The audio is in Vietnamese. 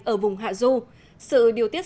ở vùng hạ du sự điều tiết